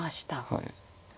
はい。